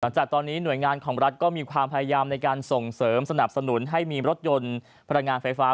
จากตอนนี้หน่วยงานของรัฐก็มีความพยายามในการส่งเสริมสนับสนุนให้มีรถยนต์พลังงานไฟฟ้า